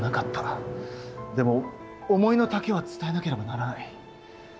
でも思いの丈は伝えなければならない。